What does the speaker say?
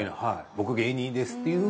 僕芸人ですっていう。